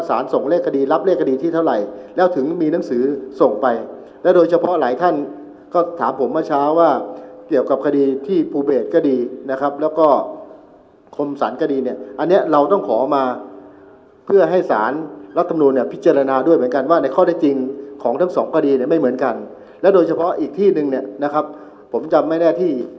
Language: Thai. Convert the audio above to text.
ส่งเลขคดีรับเลขคดีที่เท่าไหร่แล้วถึงมีหนังสือส่งไปและโดยเฉพาะหลายท่านก็ถามผมเมื่อเช้าว่าเกี่ยวกับคดีที่ภูเบสก็ดีนะครับแล้วก็คมสารก็ดีเนี่ยอันนี้เราต้องขอมาเพื่อให้สารรัฐมนูลเนี่ยพิจารณาด้วยเหมือนกันว่าในข้อได้จริงของทั้งสองคดีเนี่ยไม่เหมือนกันและโดยเฉพาะอีกที่หนึ่งเนี่ยนะครับผมจำไม่ได้ที่